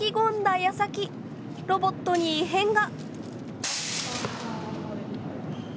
やさきロボットに異変が。